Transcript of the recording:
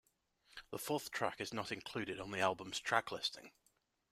The fourth track is not included on the album's track listing.